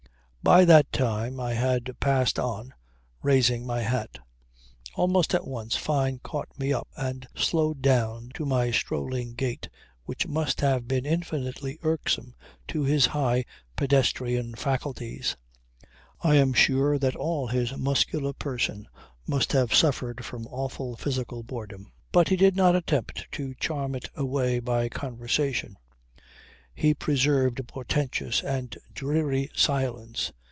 By that time I had passed on, raising my hat. Almost at once Fyne caught me up and slowed down to my strolling gait which must have been infinitely irksome to his high pedestrian faculties. I am sure that all his muscular person must have suffered from awful physical boredom; but he did not attempt to charm it away by conversation. He preserved a portentous and dreary silence.